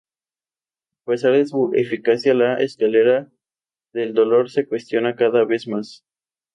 A pesar de su eficacia la escalera del dolor se cuestiona cada vez más.